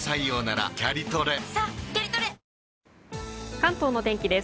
関東の天気です。